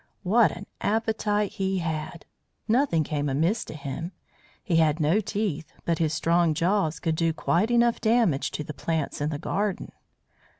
What an appetite he had! Nothing came amiss to him. He had no teeth, but his strong jaws could do quite enough damage to the plants in the garden.